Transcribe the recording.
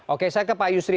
oke saya ke pak yusri